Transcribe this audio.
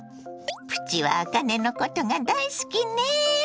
プチはあかねのことが大好きね。